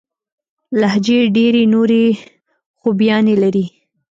لهجې ډېري نوري خوباياني لري.